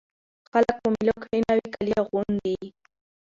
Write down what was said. خلک په مېلو کښي نوي کالي اغوندي.